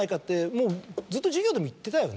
もうずっと授業でも言ってたよね。